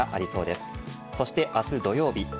そして明日土曜日。